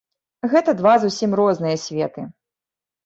Гэта два зусім розныя светы.